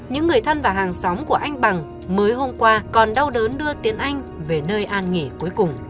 những người thân và hàng xóm của anh bằng mới hôm qua còn đau đớn đưa tiếng anh về nơi an nghỉ cuối cùng